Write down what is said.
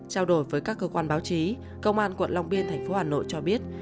trao đổi với các cơ quan báo chí công an quận long biên tp hà nội cho biết